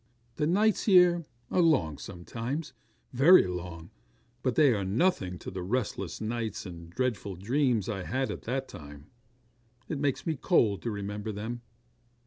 The nights here are long sometimes very long; but they are nothing to the restless nights, and dreadful dreams I had at that time. It makes me cold to remember them.